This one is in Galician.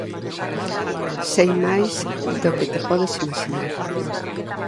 Sei máis do que te podes imaxinar.